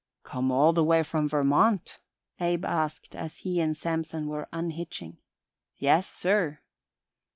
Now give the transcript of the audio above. "Come all the way from Vermont?" Abe asked as he and Samson were unhitching. "Yes, sir."